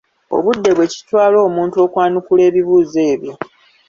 obudde bwe kitwala omuntu okwanukula ebibuuzo ebyo.